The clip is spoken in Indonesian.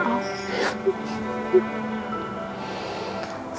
sekarang kamu istirahat